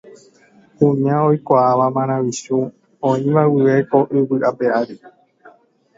Kuña oikuaáva maravichu oĩva guive ko yvy ape ári.